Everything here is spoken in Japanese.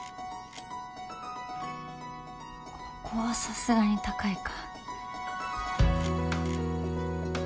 ここはさすがに高いか。